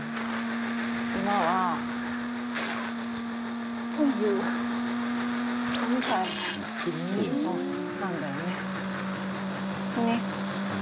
今は、２３歳なんだよね。